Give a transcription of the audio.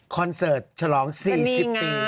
เสิร์ตฉลอง๔๐ปี